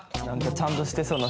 ちゃんとしてそうな。